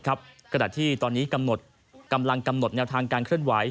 ขณะที่ตอนนี้กำลังกำหนดแนวทางการเคลื่อนไหว